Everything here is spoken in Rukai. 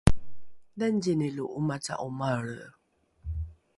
nangzini lo ’omaca’o maelre?